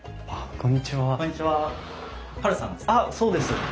あっそうです。